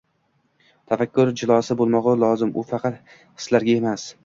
tafakkur jilosi bo‘lmog‘i lozim, u faqat hislarga emas